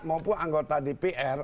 maupun anggota dpr